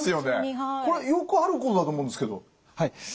これよくあることだと思うんですけど。